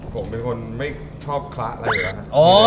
ผมเป็นคนไม่ชอบคละอะไรนะ